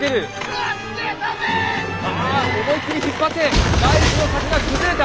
思い切り引っ張って第１の柵が崩れた。